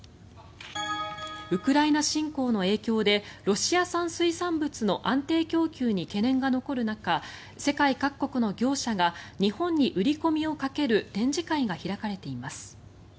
ウクライナ侵攻の影響でロシア産水産物の安定供給に懸念が残る中世界各国の業者が日本に売り込みをかける展示会が開かれています。